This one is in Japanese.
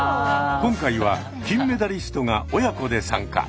今回は金メダリストが親子で参加。